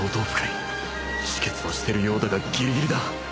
止血はしてるようだがぎりぎりだ